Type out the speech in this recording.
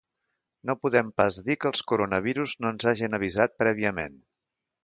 No podem pas dir que els coronavirus no ens hagen avisat prèviament.